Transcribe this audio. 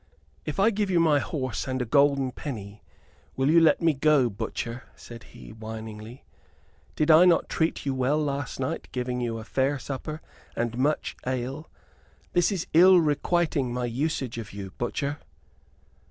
"If I give you my horse, and a golden penny, will you let me go, butcher?" said he, whiningly. "Did I not treat you well last night, giving you a fair supper and much ale? This is ill requiting my usage of you, butcher."